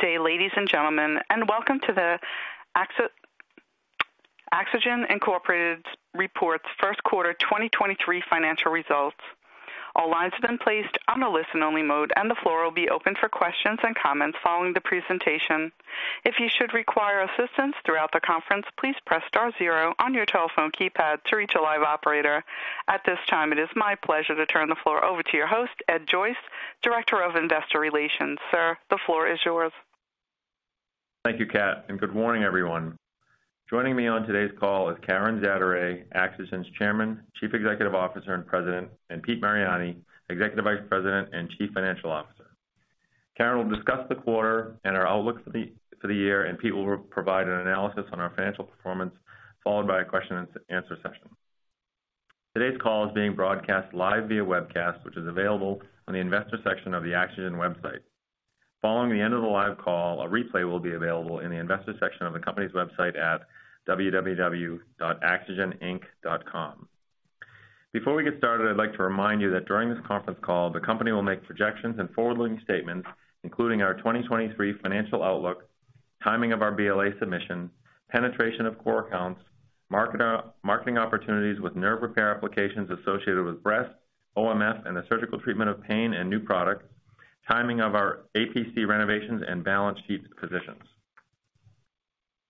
Good day, ladies and gentlemen. Welcome to the AxoGen, Inc.'s reports first quarter 2023 financial results. All lines have been placed on a listen-only mode. The floor will be open for questions and comments following the presentation. If you should require assistance throughout the conference, please press star zero on your telephone keypad to reach a live operator. At this time, it is my pleasure to turn the floor over to your host, Ed Joyce, Director of Investor Relations. Sir, the floor is yours. Thank you, Kate, and good morning, everyone. Joining me on today's call is Karen Zaderej, AxoGen's Chairman, Chief Executive Officer and President, and Pete Mariani, Executive Vice President and Chief Financial Officer. Karen will discuss the quarter and our outlook for the year, and Pete will provide an analysis on our financial performance, followed by a question and answer session. Today's call is being broadcast live via webcast, which is available on the Investor section of the AxoGen website. Following the end of the live call, a replay will be available in the Investor section of the company's website at www.axogeninc.com. Before we get started, I'd like to remind you that during this conference call, the company will make projections and forward-looking statements, including our 2023 financial outlook, timing of our BLA submission, penetration of core accounts, marketing opportunities with nerve repair applications associated with breast, OMF, and the surgical treatment of pain and new products, timing of our APC renovations and balance sheet positions.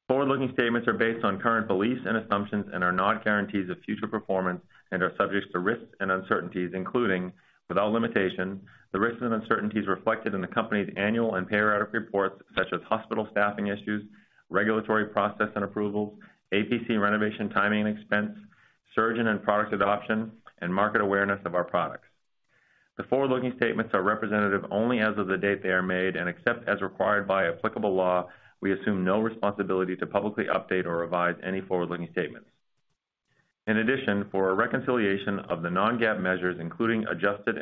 Forward-looking statements are based on current beliefs and assumptions and are not guarantees of future performance and are subject to risks and uncertainties, including, without limitation, the risks and uncertainties reflected in the company's annual and periodic reports, such as hospital staffing issues, regulatory process and approvals, APC renovation timing and expense, surgeon and product adoption, and market awareness of our products. The forward-looking statements are representative only as of the date they are made, and except as required by applicable law, we assume no responsibility to publicly update or revise any forward-looking statements. In addition, for a reconciliation of the non-GAAP measures, including adjusted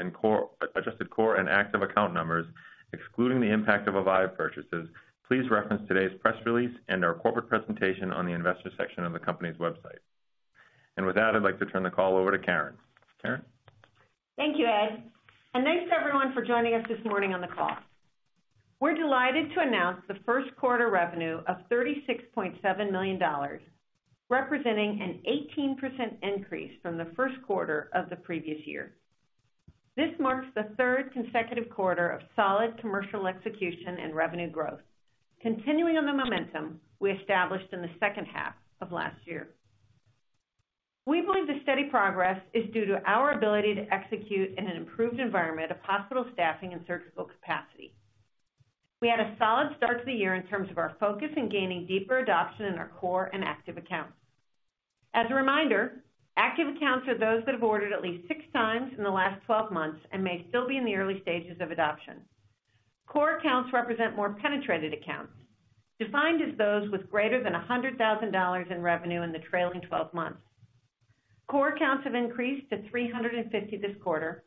core and active account numbers, excluding the impact of Avance purchases, please reference today's press release and our corporate presentation on the Investor section of the company's website. With that, I'd like to turn the call over to Karen. Karen? Thank you, Ed. Thanks everyone for joining us this morning on the call. We're delighted to announce the first quarter revenue of $36.7 million, representing an 18% increase from the first quarter of the previous year. This marks the third consecutive quarter of solid commercial execution and revenue growth, continuing on the momentum we established in the second half of last year. We believe the steady progress is due to our ability to execute in an improved environment of hospital staffing and surgical capacity. We had a solid start to the year in terms of our focus in gaining deeper adoption in our core and active accounts. As a reminder, active accounts are those that have ordered at least six times in the last 12 months and may still be in the early stages of adoption. Core accounts represent more penetrated accounts, defined as those with greater than $100,000 in revenue in the trailing 12 months. Core accounts have increased to 350 this quarter,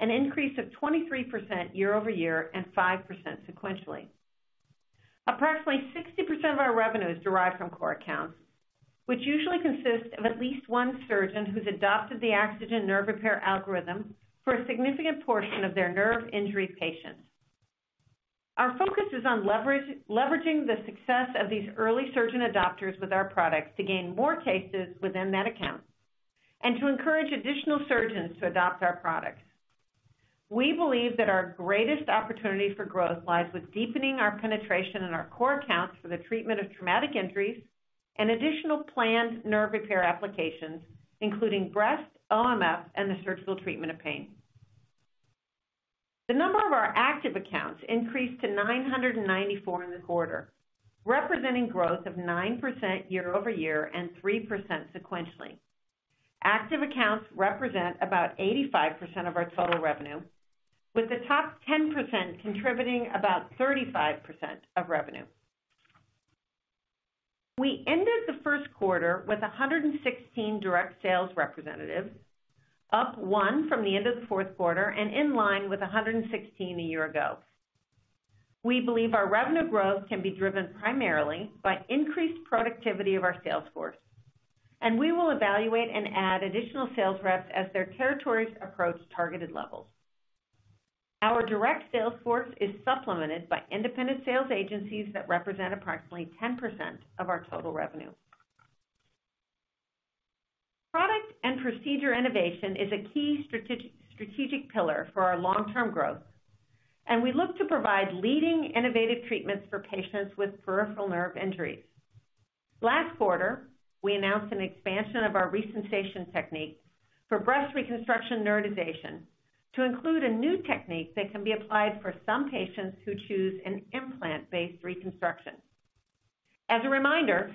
an increase of 23% year-over-year and 5% sequentially. Approximately 60% of our revenue is derived from core accounts, which usually consist of at least one surgeon who's adopted the AxoGen nerve repair algorithm for a significant portion of their nerve injury patients. Our focus is on leverage, leveraging the success of these early surgeon adopters with our products to gain more cases within that account and to encourage additional surgeons to adopt our products. We believe that our greatest opportunity for growth lies with deepening our penetration in our core accounts for the treatment of traumatic injuries and additional planned nerve repair applications including breast, OMF, and the surgical treatment of pain. The number of our active accounts increased to 994 in the quarter, representing growth of 9% year-over-year and 3% sequentially. Active accounts represent about 85% of our total revenue, with the top 10% contributing about 35% of revenue. We ended the first quarter with 116 direct sales representatives, up one from the end of the fourth quarter and in line with 116 a year ago. We believe our revenue growth can be driven primarily by increased productivity of our sales force. We will evaluate and add additional sales reps as their territories approach targeted levels. Our direct sales force is supplemented by independent sales agencies that represent approximately 10% of our total revenue. Product and procedure innovation is a key strategic pillar for our long-term growth, and we look to provide leading innovative treatments for patients with peripheral nerve injuries. Last quarter, we announced an expansion of our Resensation technique for breast reconstruction neurotization to include a new technique that can be applied for some patients who choose an implant-based reconstruction. As a reminder,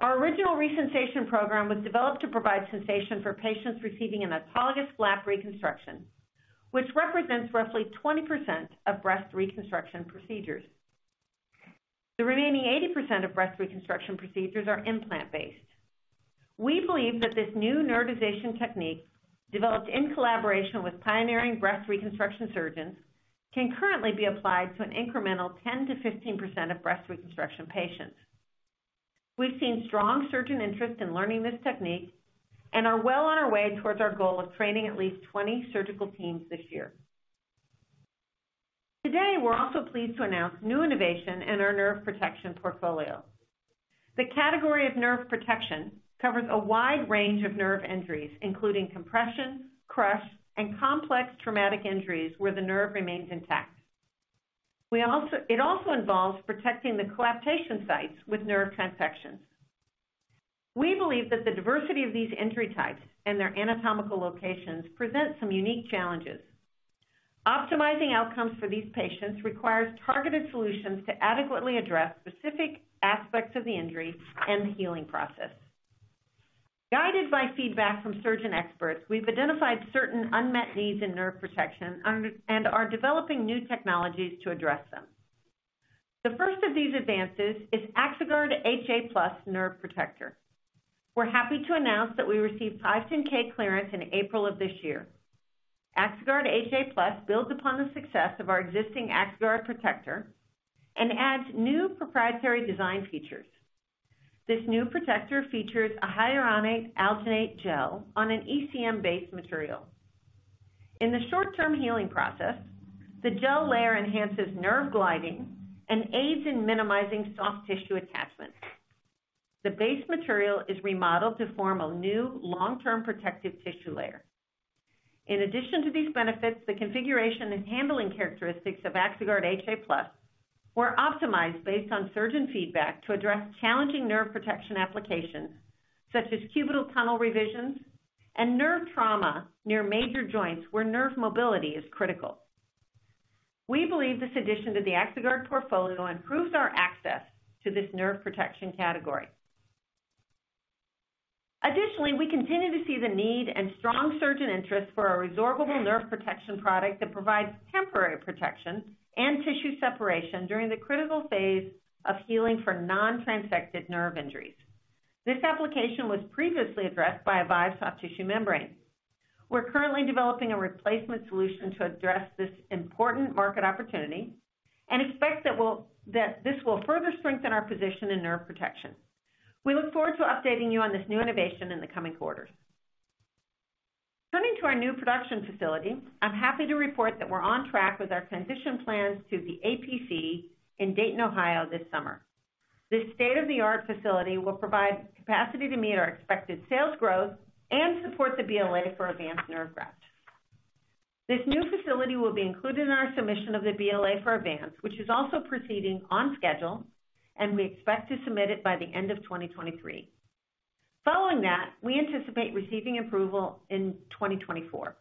our original Resensation program was developed to provide sensation for patients receiving an autologous flap reconstruction which represents roughly 20% of breast reconstruction procedures. The remaining 80% of breast reconstruction procedures are implant-based. We believe that this new neurotization technique, developed in collaboration with pioneering breast reconstruction surgeons, can currently be applied to an incremental 10%-15% of breast reconstruction patients. We've seen strong surgeon interest in learning this technique and are well on our way towards our goal of training at least 20 surgical teams this year. Today, we're also pleased to announce new innovation in our nerve protection portfolio. The category of nerve protection covers a wide range of nerve injuries, including compression, crush, and complex traumatic injuries where the nerve remains intact. It also involves protecting the coaptation sites with nerve transections. We believe that the diversity of these injury types and their anatomical locations present some unique challenges. Optimizing outcomes for these patients requires targeted solutions to adequately address specific aspects of the injury and the healing process. Guided by feedback from surgeon experts, we've identified certain unmet needs in nerve protection and are developing new technologies to address them. The first of these advances is AxoGuard HA+ Nerve Protector. We're happy to announce that we received 510(k) clearance in April of this year. AxoGuard HA+ builds upon the success of our existing AxoGuard Protector and adds new proprietary design features. This new protector features a hyaluronate-alginate gel on an ECM-based material. In the short-term healing process, the gel layer enhances nerve gliding and aids in minimizing soft tissue attachment. The base material is remodeled to form a new long-term protective tissue layer. In addition to these benefits, the configuration and handling characteristics of AxoGuard HA+ were optimized based on surgeon feedback to address challenging nerve protection applications such as cubital tunnel revisions and nerve trauma near major joints where nerve mobility is critical. We believe this addition to the AxoGuard portfolio improves our access to this nerve protection category. Additionally, we continue to see the need and strong surgeon interest for our resorbable nerve protection product that provides temporary protection and tissue separation during the critical phase of healing for non-transected nerve injuries. This application was previously addressed by a bio soft tissue membrane. We're currently developing a replacement solution to address this important market opportunity and expect that this will further strengthen our position in nerve protection. We look forward to updating you on this new innovation in the coming quarters. Turning to our new production facility, I'm happy to report that we're on track with our transition plans to the APC in Dayton, Ohio this summer. This state-of-the-art facility will provide capacity to meet our expected sales growth and support the BLA for Avance Nerve Graft. This new facility will be included in our submission of the BLA for Avance, which is also proceeding on schedule, and we expect to submit it by the end of 2023. Following that, we anticipate receiving approval in 2024.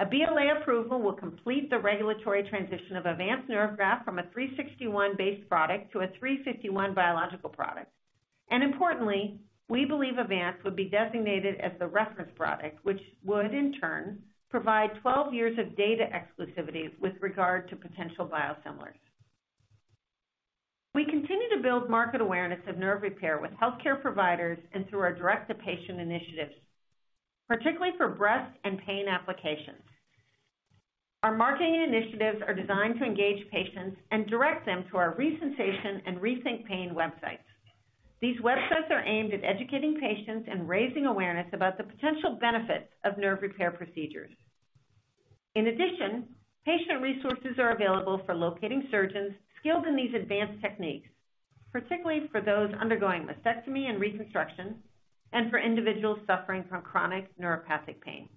A BLA approval will complete the regulatory transition of Avance Nerve Graft from a 361-based product to a 351 biological product. Importantly, we believe Avance would be designated as the reference product, which would in turn provide 12 years of data exclusivity with regard to potential biosimilars. We continue to build market awareness of nerve repair with healthcare providers and through our direct-to-patient initiatives, particularly for breast and pain applications. Our marketing initiatives are designed to engage patients and direct them to our Resensation and Rethink Pain websites. These websites are aimed at educating patients and raising awareness about the potential benefits of nerve repair procedures. Patient resources are available for locating surgeons skilled in these advanced techniques, particularly for those undergoing mastectomy and reconstruction, and for individuals suffering from chronic neuropathic pain.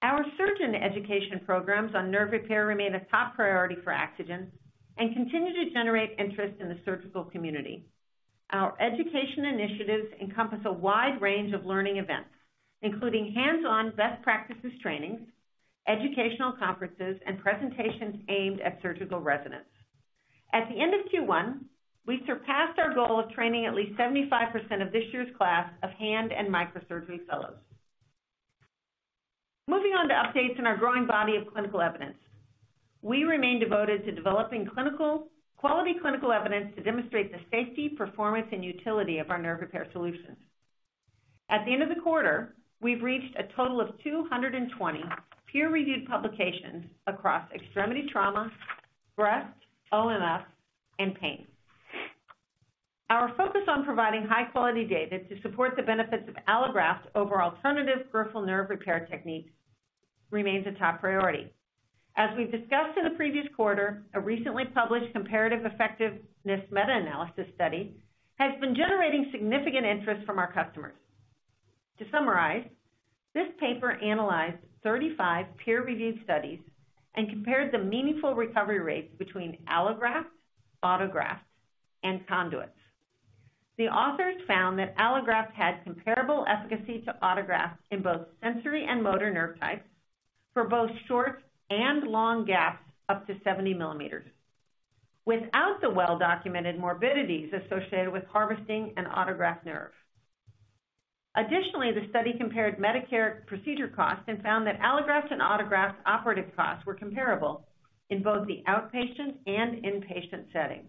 Our surgeon education programs on nerve repair remain a top priority for AxoGen and continue to generate interest in the surgical community. Our education initiatives encompass a wide range of learning events, including hands-on best practices trainings, educational conferences, and presentations aimed at surgical residents. At the end of Q1, we surpassed our goal of training at least 75% of this year's class of hand and microsurgery fellows. Moving on to updates in our growing body of clinical evidence. We remain devoted to developing quality clinical evidence to demonstrate the safety, performance, and utility of our nerve repair solutions. At the end of the quarter, we've reached a total of 220 peer-reviewed publications across extremity trauma, breast, OMS, and pain. Our focus on providing high-quality data to support the benefits of allograft over alternative peripheral nerve repair techniques remains a top priority. As we've discussed in the previous quarter, a recently published comparative effectiveness meta-analysis study has been generating significant interest from our customers. To summarize, this paper analyzed 35 peer-reviewed studies, and compared the meaningful recovery rates between allografts, autografts, and conduits. The authors found that allografts had comparable efficacy to autografts in both sensory and motor nerve types for both short and long gaps up to 70 mm. Without the well-documented morbidities associated with harvesting an autograft nerve. The study compared Medicare procedure costs and found that allografts and autografts operative costs were comparable in both the outpatient and inpatient setting.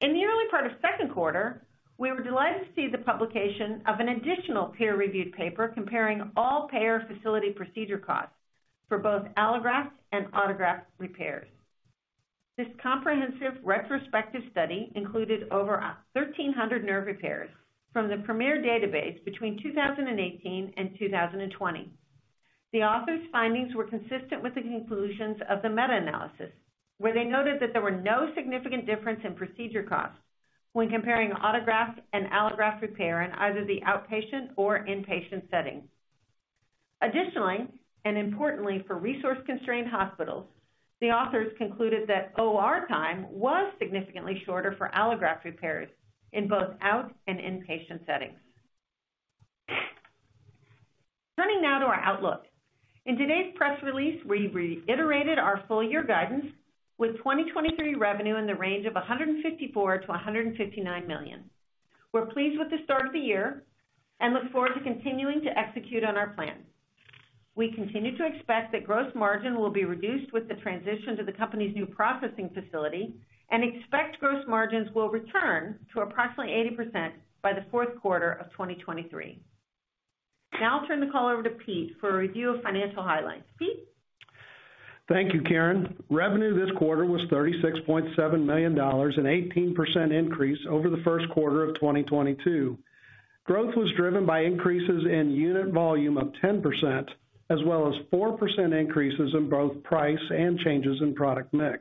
In the early part of second quarter, we were delighted to see the publication of an additional peer-reviewed paper comparing all payer facility procedure costs. For both allograft and autograft repairs. This comprehensive retrospective study included over 1,300 nerve repairs from the Premier Healthcare Database between 2018 and 2020. The author's findings were consistent with the conclusions of the meta-analysis, where they noted that there were no significant difference in procedure costs when comparing autograft and allograft repair in either the outpatient or inpatient setting. Additionally, and importantly, for resource-constrained hospitals, the authors concluded that OR time was significantly shorter for allograft repairs in both out and inpatient settings. Turning now to our outlook. In today's press release, we reiterated our full year guidance with 2023 revenue in the range of $154 million-$159 million. We're pleased with the start of the year and look forward to continuing to execute on our plan. We continue to expect that gross margin will be reduced with the transition to the company's new processing facility and expect gross margins will return to approximately 80% by the fourth quarter of 2023. I'll turn the call over to Pete for a review of financial highlights, Pete? Thank you, Karen. Revenue this quarter was $36.7 million, an 18% increase over the first quarter of 2022. Growth was driven by increases in unit volume of 10% as well as 4% increases in both price and changes in product mix.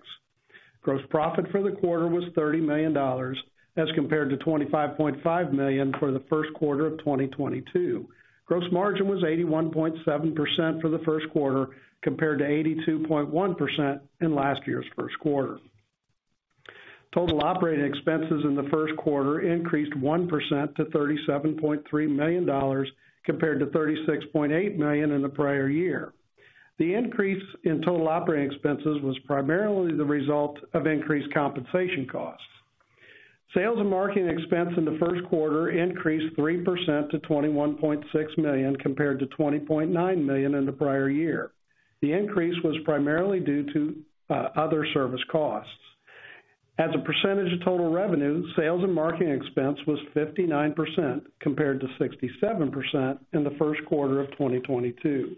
Gross profit for the quarter was $30 million, as compared to $25.5 million for the first quarter of 2022. Gross margin was 81.7% for the first quarter, compared to 82.1% in last year's first quarter. Total operating expenses in the first quarter increased 1% to $37.3 million, compared to $36.8 million in the prior year. The increase in total operating expenses was primarily the result of increased compensation costs. Sales and marketing expense in the first quarter increased 3% to $21.6 million, compared to $20.9 million in the prior year. The increase was primarily due to other service costs. As a percentage of total revenue, sales and marketing expense was 59% compared to 67% in the first quarter of 2022.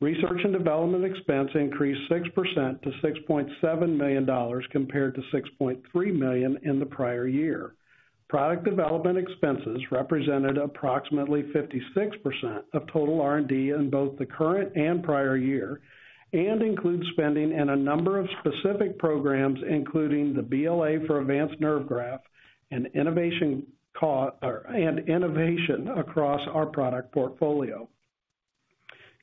Research and development expense increased 6% to $6.7 million, compared to $6.3 million in the prior year. Product development expenses represented approximately 56% of total R&D in both the current and prior year, and includes spending in a number of specific programs, including the BLA for Avance Nerve Graft and innovation across our product portfolio.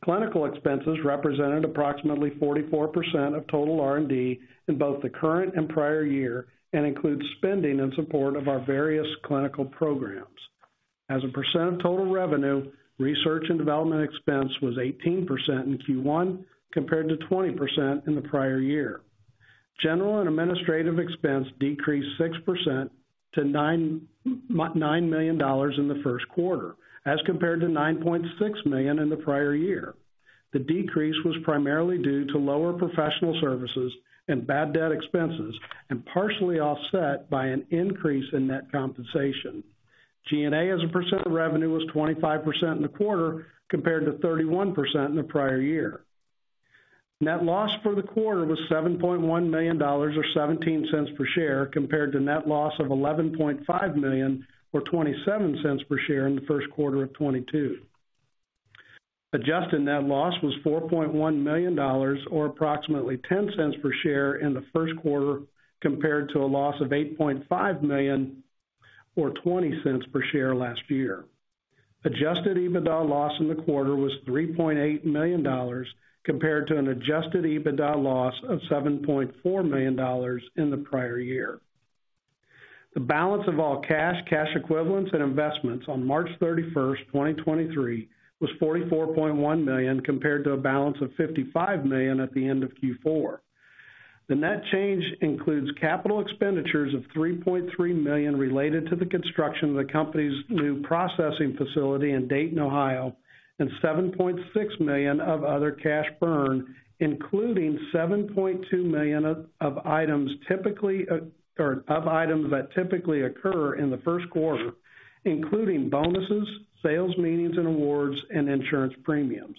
Clinical expenses represented approximately 44% of total R&D in both the current and prior year, and includes spending in support of our various clinical programs. As a percent of total revenue, research and development expense was 18% in Q1 compared to 20% in the prior year. General and administrative expense decreased 6% to $9 million in the first quarter as compared to $9.6 million in the prior year. The decrease was primarily due to lower professional services and bad debt expenses, and partially offset by an increase in net compensation. G&A as a percent of revenue was 25% in the quarter compared to 31% in the prior year. Net loss for the quarter was $7.1 million, or $0.17 per share, compared to net loss of $11.5 million or $0.27 per share in the first quarter of 2022. Adjusted net loss was $4.1 million or approximately $0.10 per share in the first quarter, compared to a loss of $8.5 million or $0.20 per share last year. Adjusted EBITDA loss in the quarter was $3.8 million, compared to an Adjusted EBITDA loss of $7.4 million in the prior year. The balance of all cash equivalents and investments on March 31, 2023, was $44.1 million, compared to a balance of $55 million at the end of Q4. The net change includes CapEx of $3.3 million related to the construction of the company's new processing facility in Dayton, Ohio, and $7.6 million of other cash burn, including $7.2 million of items typically or of items that typically occur in the first quarter, including bonuses, sales meetings and awards, and insurance premiums.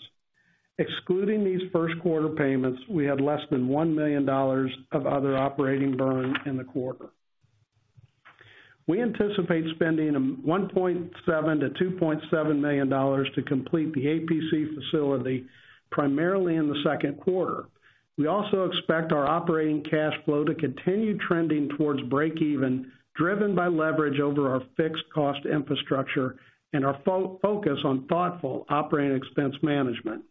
Excluding these first quarter payments, we had less than $1 million of other operating burn in the quarter. We anticipate spending $1.7 million-$2.7 million to complete the APC facility, primarily in the second quarter. We also expect our operating cash flow to continue trending towards break even, driven by leverage over our fixed cost infrastructure and our focus on thoughtful OpEx management.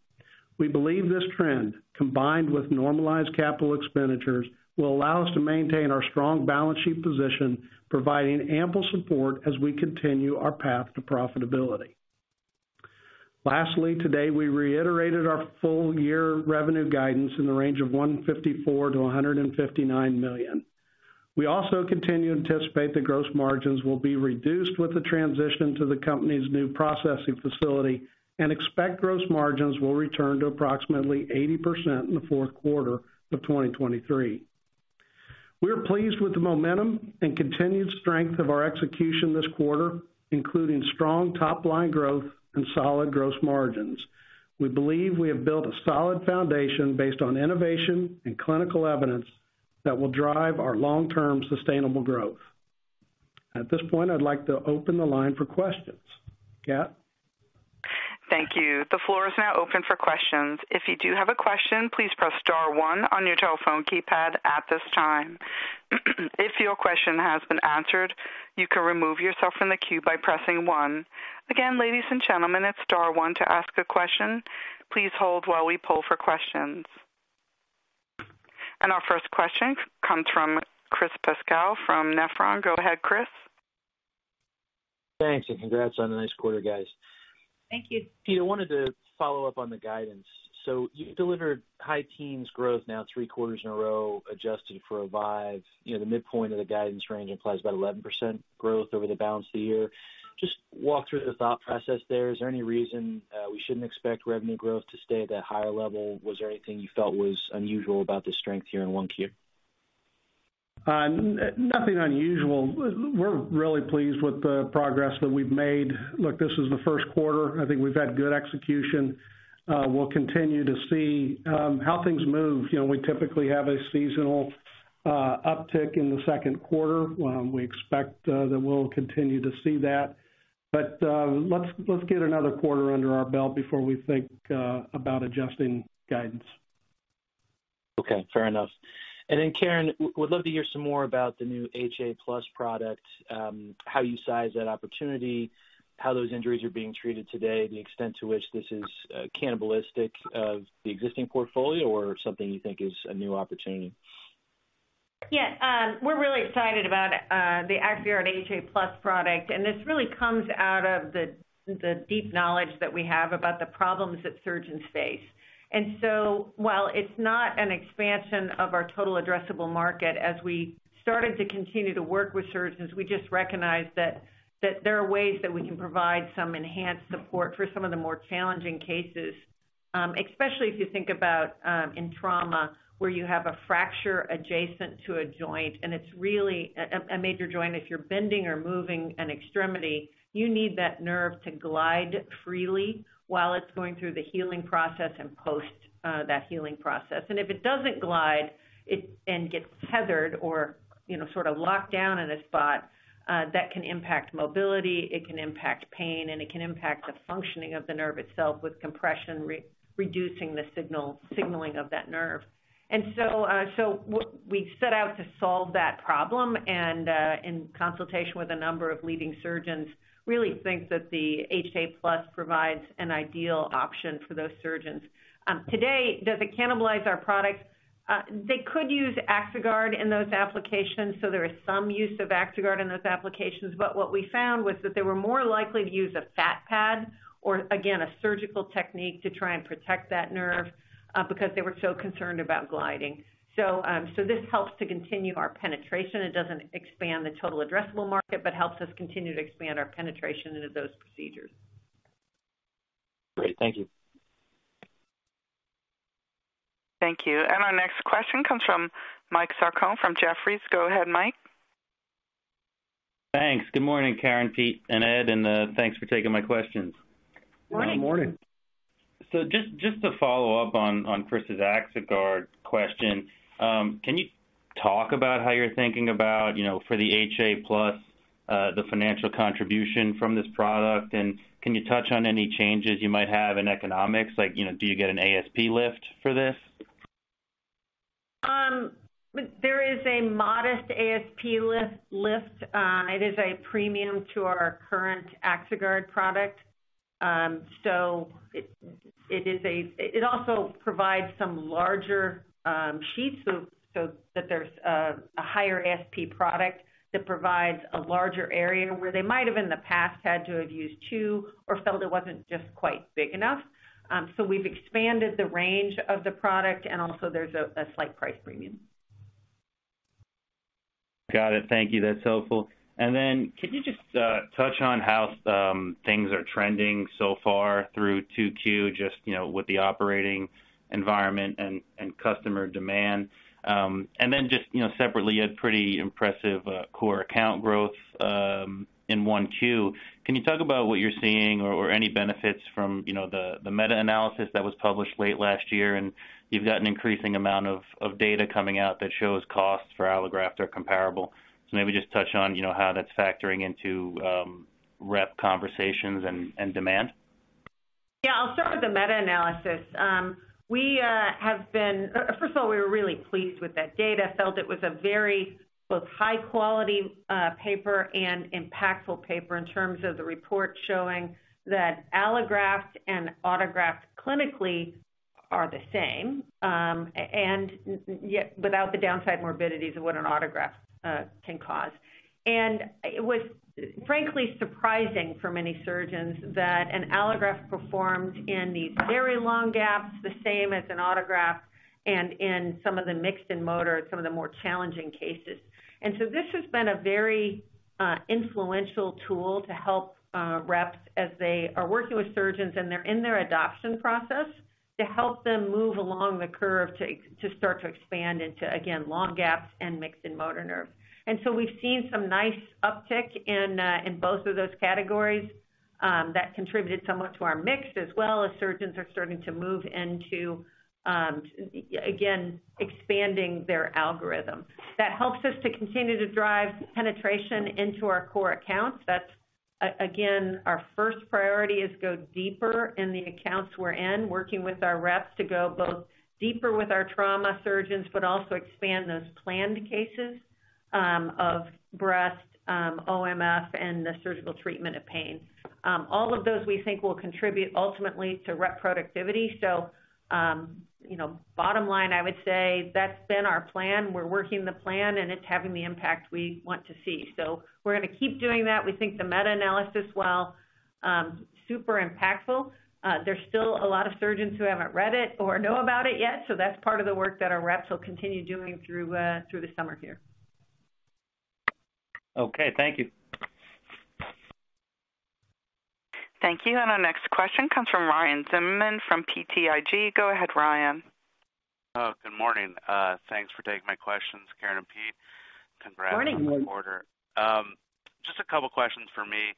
We believe this trend, combined with normalized capital expenditures, will allow us to maintain our strong balance sheet position, providing ample support as we continue our path to profitability. Lastly, today, we reiterated our full year revenue guidance in the range of $154 million-$159 million. We also continue to anticipate the gross margins will be reduced with the transition to the company's new processing facility, and expect gross margins will return to approximately 80% in the fourth quarter of 2023. We're pleased with the momentum and continued strength of our execution this quarter, including strong top-line growth and solid gross margins. We believe we have built a solid foundation based on innovation and clinical evidence that will drive our long-term sustainable growth. ,At this point, I'd like to open the line for questions, Kate? Thank you. The floor is now open for questions. If you do have a question, please press star one on your telephone keypad at this time. If your question has been answered, you can remove yourself from the queue by pressing one. Again, ladies and gentlemen, it's star one to ask a question. Please hold while we poll for questions. Our first question comes from Chris Pasquale from Nephron, go ahead, Chris. Thanks. Congrats on a nice quarter, guys. Thank you. Pete, I wanted to follow up on the guidance. You've delivered high teens growth now three quarters in a row, adjusted for Avive. You know, the midpoint of the guidance range implies about 11% growth over the balance of the year. Just walk through the thought process there. Is there any reason we shouldn't expect revenue growth to stay at that higher level? Was there anything you felt was unusual about the strength here in 1 Q? Nothing unusual. We're really pleased with the progress that we've made. Look, this is the first quarter. I think we've had good execution. We'll continue to see how things move. You know, we typically have a seasonal uptick in the second quarter. We expect that we'll continue to see that. Let's get another quarter under our belt before we think about adjusting guidance. Okay, fair enough. Karen, would love to hear some more about the new HA+ product, how you size that opportunity, how those injuries are being treated today, the extent to which this is cannibalistic of the existing portfolio or something you think is a new opportunity? Yeah. We're really excited about the AxoGuard HA+ product. This really comes out of the deep knowledge that we have about the problems that surgeons face. So while it's not an expansion of our total addressable market, as we started to continue to work with surgeons, we just recognized that there are ways that we can provide some enhanced support for some of the more challenging cases. Especially if you think about in trauma, where you have a fracture adjacent to a joint, and it's really a major joint. If you're bending or moving an extremity, you need that nerve to glide freely while it's going through the healing process and post that healing process. If it doesn't glide, and gets tethered or, you know, sort of locked down in a spot, that can impact mobility, it can impact pain, and it can impact the functioning of the nerve itself with compression reducing the signal, signaling of that nerve. We set out to solve that problem, in consultation with a number of leading surgeons, really think that the HA+ provides an ideal option for those surgeons. Today, does it cannibalize our products? They could use Axoguard in those applications, so there is some use of AxoGuard in those applications. What we found was that they were more likely to use a fat pad or again, a surgical technique to try and protect that nerve, because they were so concerned about gliding. This helps to continue our penetration. It doesn't expand the total addressable market, but helps us continue to expand our penetration into those procedures. Great. Thank you. Thank you. Our next question comes from Mike Sarcone from Jefferies, go ahead, Mike. Thanks. Good morning, Karen, Pete, and Ed, thanks for taking my questions. Good morning. Thanks. Morning. Just to follow up on Chris's AxoGuard question. Can you talk about how you're thinking about, you know, for the HA Plus, the financial contribution from this product? Can you touch on any changes you might have in economics? Like, you know, do you get an ASP lift for this? There is a modest ASP lift. It is a premium to our current AxoGuard product. It also provides some larger sheets, so that there's a higher ASP product that provides a larger area where they might have in the past had to have used two or felt it wasn't just quite big enough. We've expanded the range of the product, and also there's a slight price premium. Got it. Thank you. That's helpful. Can you just touch on how some things are trending so far through 2Q, just, you know, with the operating environment and customer demand? Just, you know, separately, a pretty impressive core account growth in 1Q. Can you talk about what you're seeing or any benefits from, you know, the meta-analysis that was published late last year? You've got an increasing amount of data coming out that shows costs for allografts are comparable. Maybe just touch on, you know, how that's factoring into rep conversations and demand. Yeah, I'll start with the meta-analysis. First of all, we were really pleased with that data, felt it was a very both high quality paper and impactful paper in terms of the report showing that allografts and autografts clinically are the same, and without the downside morbidities of what an autograft can cause. It was frankly surprising for many surgeons that an allograft performed in these very long gaps the same as an autograft and in some of the mixed and motor, some of the more challenging cases. This has been a very influential tool to help reps as they are working with surgeons, and they're in their adoption process. To help them move along the curve to start to expand into, again, long gaps and mixed in motor nerve. We've seen some nice uptick in both of those categories that contributed somewhat to our mix as well as surgeons, are starting to move into again, expanding their algorithm. That helps us to continue to drive penetration into our core accounts. That's again, our first priority is go deeper in the accounts we're in, working with our reps to go both deeper with our trauma surgeons, but also expand those planned cases of breast, OMF and the surgical treatment of pain. All of those we think will contribute ultimately to rep productivity. You know, bottom line, I would say that's been our plan. We're working the plan and it's having the impact we want to see. We're gonna keep doing that. We think the meta-analysis, while super impactful, there's still a lot of surgeons who haven't read it or know about it yet, so that's part of the work that our reps will continue doing through the summer here. Okay. Thank you. Thank you. Our next question comes from Ryan Zimmerman from BTIG, go ahead, Ryan. Good morning. Thanks for taking my questions, Karen and Pete. Morning, Ryan. Congrats on the quarter. Just a couple questions for me.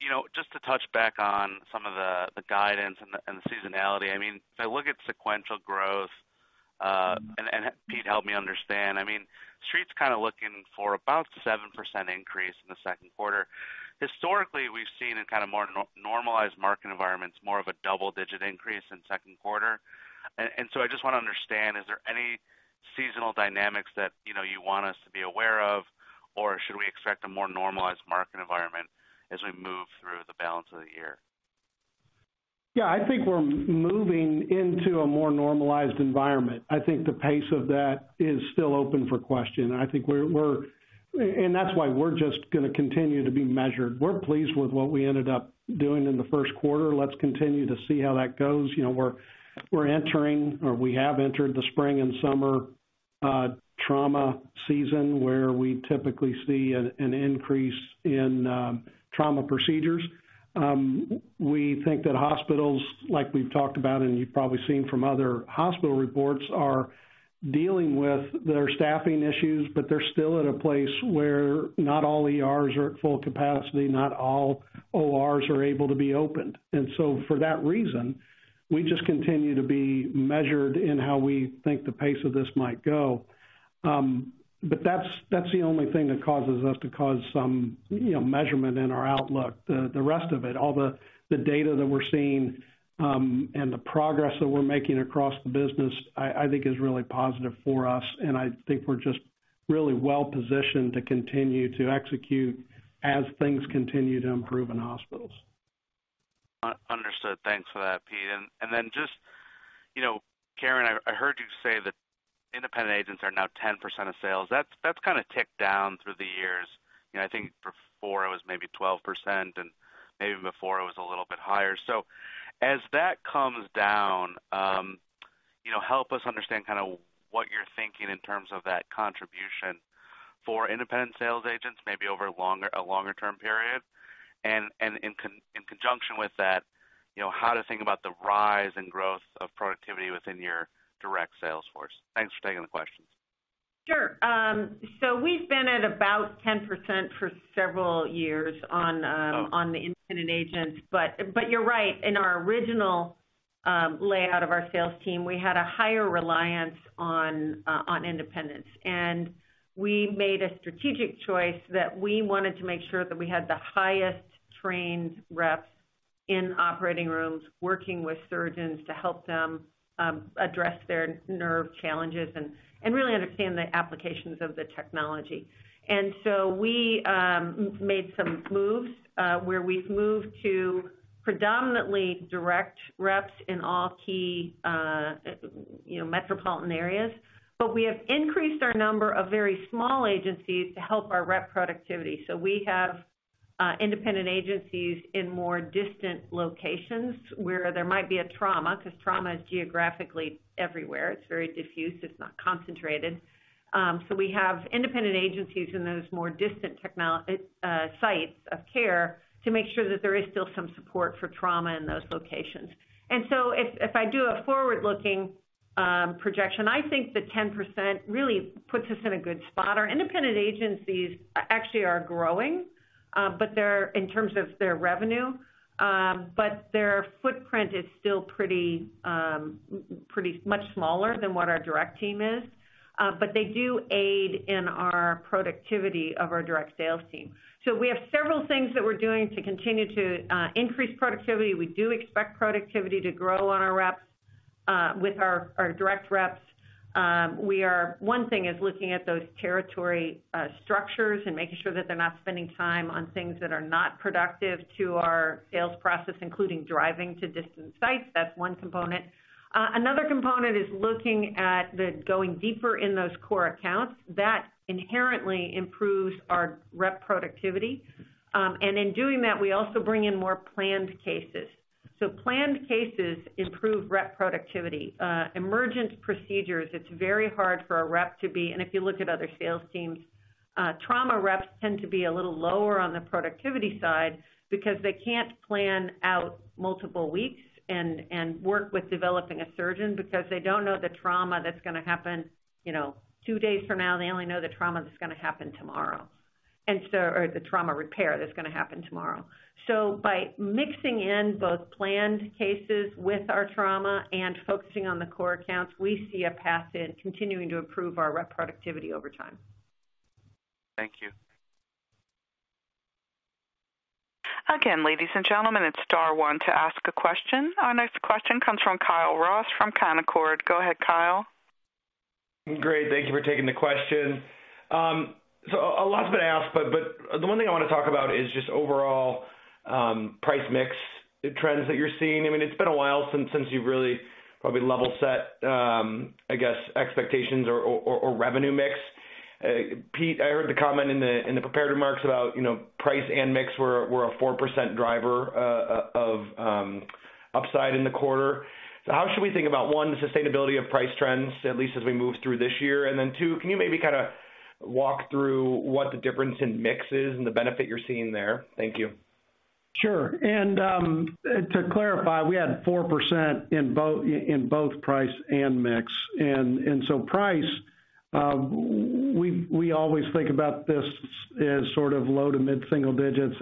You know, just to touch back on some of the guidance and the seasonality. I mean, if I look at sequential growth, and Pete help me understand, I mean, Street's kind of looking for about 7% increase in the second quarter. Historically, we've seen in kind of more normalized market environments, more of a double-digit increase in second quarter. I just wanna understand, is there any seasonal dynamics that, you know, you want us to be aware of, or should we expect a more normalized market environment as we move through the balance of the year? Yeah, I think we're moving into a more normalized environment. I think the pace of that is still open for question. I think that's why we're just gonna continue to be measured. We're pleased with what we ended up doing in the first quarter. Let's continue to see how that goes. You know, we're entering or we have entered the spring and summer trauma season, where we typically see an increase in trauma procedures. We think that hospitals, like we've talked about and you've probably seen from other hospital reports, are dealing with their staffing issues, but they're still at a place where not all ERs are at full capacity, not all OR's are able to be opened. For that reason, we just continue to be measured in how we think the pace of this might go. That's the only thing that causes us to cause some, you know, measurement in our outlook. The rest of it, all the data that we're seeing, and the progress that we're making across the business, I think is really positive for us, and I think we're just really well positioned to continue to execute as things continue to improve in hospitals. Understood. Thanks for that, Pete. Then just, you know, Karen, I heard you say that independent agents are now 10% of sales. That's kinda ticked down through the years. You know, I think before it was maybe 12% and maybe before it was a little bit higher. As that comes down, you know, help us understand kinda what you're thinking in terms of that contribution for independent sales agents, maybe over a longer term period. In conjunction with that, you know, how to think about the rise and growth of productivity within your direct sales force. Thanks for taking the questions. Sure. We've been at about 10% for several years on the independent agents. You're right, in our original layout of our sales team, we had a higher reliance on independents. We made a strategic choice that we wanted to make sure that we had the highest trained reps in operating rooms working with surgeons to help them address their nerve challenges and really understand the applications of the technology. We made some moves where we've moved to predominantly direct reps in all key, you know, metropolitan areas. We have increased our number of very small agencies to help our rep productivity. We have independent agencies in more distant locations where there might be a trauma, because trauma is geographically everywhere. It's very diffuse. It's not concentrated. We have independent agencies in those more distant sites of care to make sure that there is still some support for trauma in those locations. If I do a forward-looking projection, I think that 10% really puts us in a good spot. Our independent agencies actually are growing, but in terms of their revenue, but their footprint is still pretty much smaller than what our direct team is. They do aid in our productivity of our direct sales team. We have several things that we're doing to continue to increase productivity. We do expect productivity to grow on our reps with our direct reps. One thing is looking at those territory structures and making sure that they're not spending time on things that are not productive to our sales process, including driving to distant sites. That's one component. Another component is looking at the going deeper in those core accounts. That inherently improves our rep productivity. In doing that, we also bring in more planned cases. Planned cases improve rep productivity. Emergent procedures, it's very hard for a rep to be, if you look at other sales teams Trauma reps tend to be a little lower on the productivity side because they can't plan out multiple weeks and work with developing a surgeon because they don't know the trauma that's gonna happen, you know, two days from now. They only know the trauma that's gonna happen tomorrow. The trauma repair that's gonna happen tomorrow. By mixing in both planned cases with our trauma and focusing on the core accounts, we see a path in continuing to improve our rep productivity over time. Thank you. Again, ladies and gentlemen, it's star one to ask a question. Our next question comes from Kyle Rose from Canaccord, go ahead, Kyle. Great. Thank you for taking the question. A lot has been asked, but the one thing I wanna talk about is just overall price mix trends that you're seeing. I mean, it's been a while since you've really probably level set, I guess, expectations or revenue mix. Pete, I heard the comment in the prepared remarks about, you know, price and mix were a 4% driver of upside in the quarter. How should we think about, one, the sustainability of price trends, at least as we move through this year? Then, two, can you maybe kinda walk through what the difference in mix is and the benefit you're seeing there? Thank you. Sure. To clarify, we had 4% in both price and mix. Price we always think about this as sort of low to mid-single digits.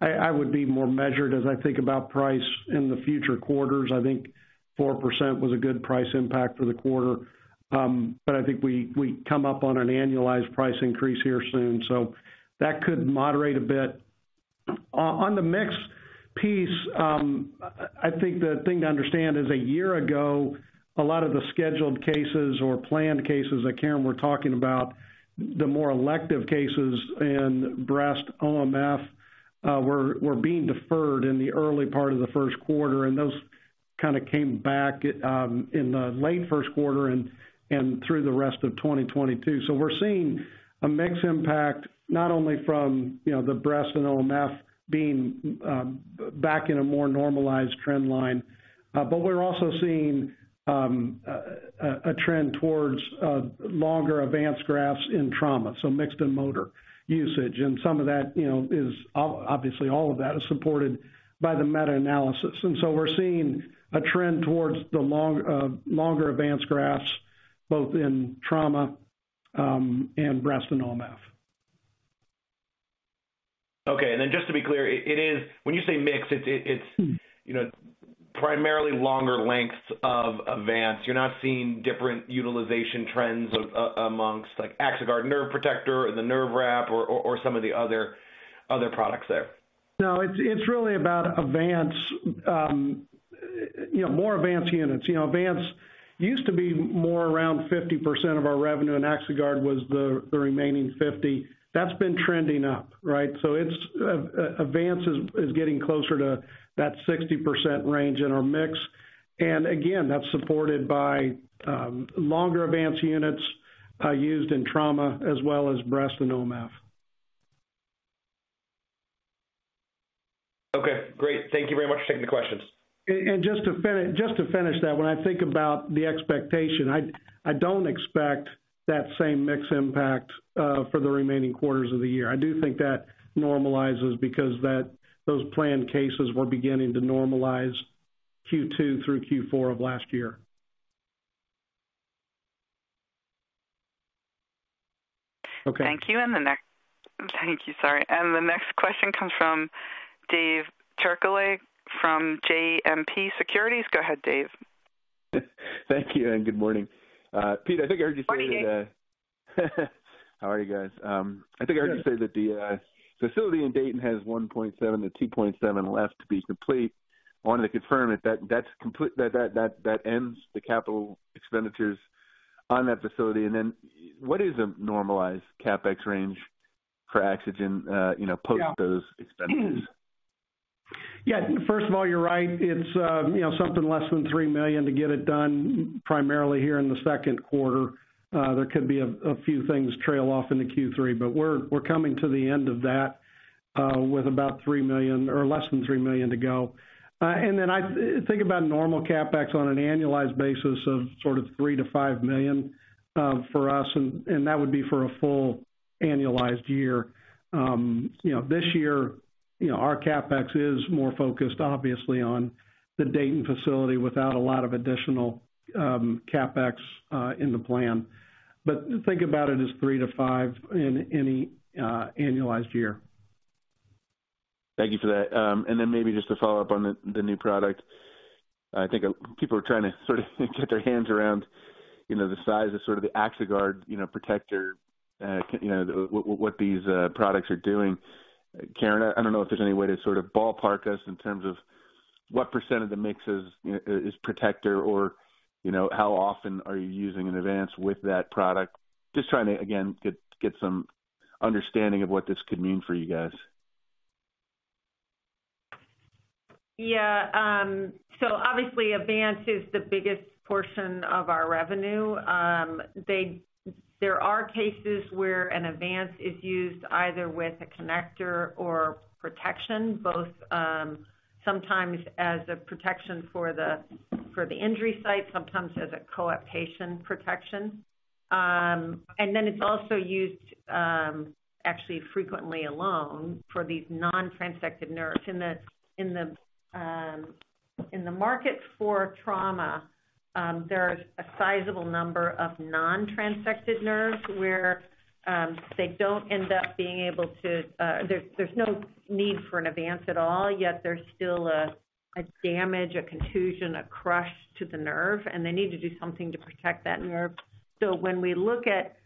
I would be more measured as I think about price in the future quarters. I think 4% was a good price impact for the quarter. I think we come up on an annualized price increase here soon, so that could moderate a bit. On the mix piece, I think the thing to understand is a year ago, a lot of the scheduled cases or planned cases that Karen were talking about, the more elective cases in breast OMF, were being deferred in the early part of the first quarter, and those kinda came back in the late first quarter and through the rest of 2022. We're seeing a mix impact not only from, you know, the breast and OMF being back in a more normalized trend line, but we're also seeing a trend towards longer advanced grafts in trauma, so mixed and motor usage. Some of that, you know, is obviously, all of that is supported by the meta-analysis. We're seeing a trend towards the long, longer advanced grafts both in trauma, and breast and OMF. Okay. Just to be clear, it is when you say mix, it's, you know, primarily longer lengths of Avance. You're not seeing different utilization trends amongst like AxoGuard Nerve Protector or the nerve wrap or some of the other products there. No, it's really about Avance, you know, more Avance units. You know, Avance used to be more around 50% of our revenue, and AxoGuard was the remaining 50. That's been trending up, right? It's Avance is getting closer to that 60% range in our mix. Again, that's supported by longer Avance units used in trauma as well as breast and OMF. Okay, great. Thank you very much for taking the questions. Just to finish that, when I think about the expectation, I don't expect that same mix impact for the remaining quarters of the year. I do think that normalizes because those planned cases were beginning to normalize Q2 through Q4 of last year. Okay. Thank you. Sorry. The next question comes from David Turkaly from JMP Securities, go ahead, Dave. Thank you, good morning. Pete, I think I heard you say. Morning, Dave. How are you guys? I think I heard you say that the facility in Dayton has $1.7 million-$2.7 million left to be complete. I wanted to confirm if that's complete, that ends the capital expenditures on that facility. What is a normalized CapEx range for AxoGen, you know, post those expenses? Yeah. First of all, you're right. It's, you know, something less than $3 million to get it done primarily here in the second quarter. There could be a few things trail off into Q3, but we're coming to the end of that, with about $3 million or less than $3 million to go. I think about normal CapEx on an annualized basis of sort of $3 million-$5 million for us, and that would be for a full annualized year. You know, this year, you know, our CapEx is more focused, obviously, on the Dayton facility without a lot of additional CapEx in the plan. Think about it as $3 million-$5 million in any annualized year. Thank you for that. Maybe just to follow up on the new product. I think people are trying to sort of get their hands around, you know, the size of sort of the AxoGuard, you know, protector, you know, what these products are doing. Karen, I don't know if there's any way to sort of ballpark us in terms of what % of the mix is, you know, is protector or, you know, how often are you using an Avance with that product? Just trying to, again, get some understanding of what this could mean for you guys. Yeah. so obviously, Avance is the biggest portion of our revenue. There are cases where an Avance is used either with a connector or protection, both, sometimes as a protection for the, for the injury site, sometimes as a coaptation protection. It's also used actually frequently alone for these non-transected nerves. In the, in the market for trauma, there's a sizable number of non-transected nerves where they don't end up being able to, there's no need for an Avance at all, yet there's still a damage, a contusion, a crush to the nerve, and they need to do something to protect that nerve. When we look at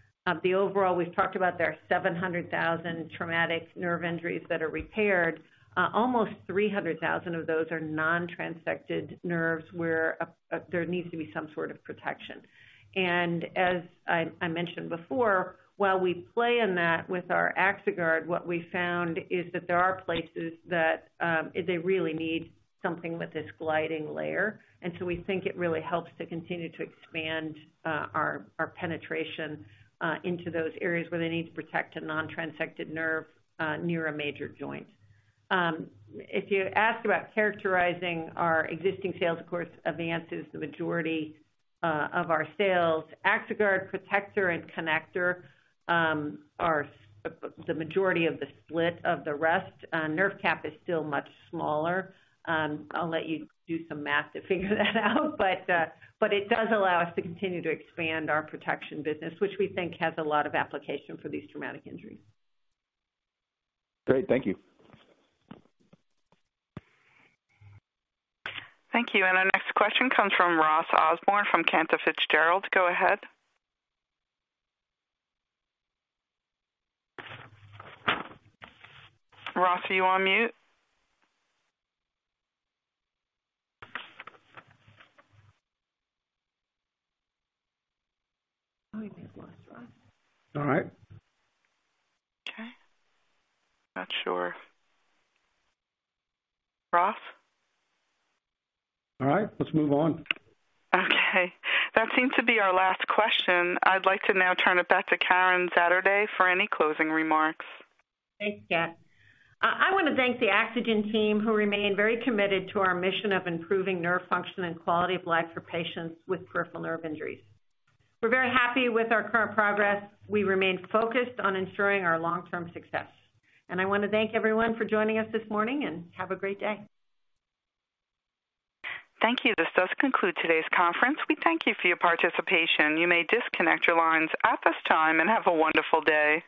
the overall, we've talked about there are 700,000 traumatic nerve injuries that are repaired. Almost 300,000 of those are non-transected nerves where there needs to be some sort of protection. As I mentioned before, while we play in that with our AxoGuard, what we found is that there are places that they really need something with this gliding layer. We think it really helps to continue to expand our penetration into those areas where they need to protect a non-transected nerve near a major joint. If you ask about characterizing our existing sales, of course, Avance is the majority of our sales. AxoGuard Protector and Connector are the majority of the split of the rest. NerveCap is still much smaller. I'll let you do some math to figure that out. But it does allow us to continue to expand our protection business which we think has a lot of application for these traumatic injuries. Great. Thank you. Thank you. Our next question comes from Ross Osborn from Cantor Fitzgerald, go ahead. Ross, are you on mute? I think we've lost Ross. All right. Okay. Not sure. Ross? All right, let's move on. That seemed to be our last question. I'd like to now turn it back to Karen Zaderej for any closing remarks. Thanks, Kate. I want to thank the AxoGen team, who remain very committed to our mission of improving nerve function and quality of life for patients with peripheral nerve injuries. We're very happy with our current progress. We remain focused on ensuring our long-term success. I want to thank everyone for joining us this morning, and have a great day. Thank you. This does conclude today's conference. We thank you for your participation. You may disconnect your lines at this time and have a wonderful day.